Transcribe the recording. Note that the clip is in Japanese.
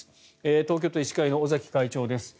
東京都医師会の尾崎会長です。